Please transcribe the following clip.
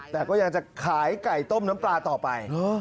แต่ก็ยังจะขายไก่ต้มน้ำปลาต่อไป